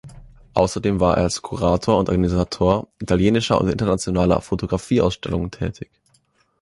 Außerdem war er als Kurator und Organisator italienischer und internationaler Fotografie-Ausstellungen tätig.